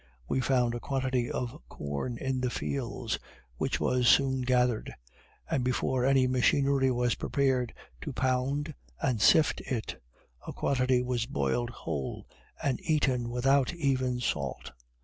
We found a quantity of corn in the fields, which was soon gathered; and before any machinery was prepared to pound and sift it, a quantity was boiled whole, and eaten without even salt.